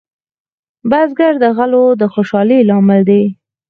بزګر د غلو د خوشحالۍ لامل دی